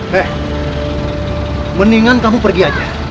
rek mendingan kamu pergi aja